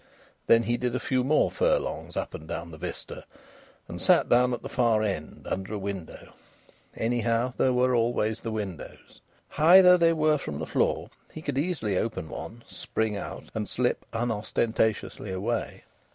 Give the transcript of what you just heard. Then he did a few more furlongs up and down the vista, and sat down at the far end, under a window. Anyhow, there were always the windows. High though they were from the floor, he could easily open one, spring out, and slip unostentatiously away.